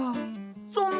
そんな。